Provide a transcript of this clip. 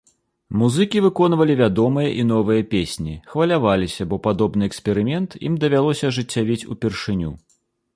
Музыкі выконвалі вядомыя і новыя песні, хваляваліся, бо падобны эксперымент ім давялося ажыццявіць упершыню.